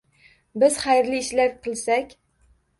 Biz xayrli ishlar qilsak